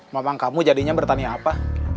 mama kamu jadinya bertani apa